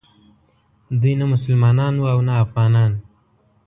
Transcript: دوی نه مسلمانان وو او نه افغانان.